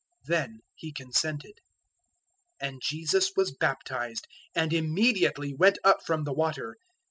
Then he consented; 003:016 and Jesus was baptized, and immediately went up from the water.